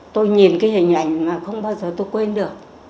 tôi nhìn cái hình ảnh mà không bao giờ tôi quên được